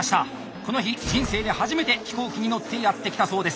この日人生で初めて飛行機に乗ってやって来たそうです。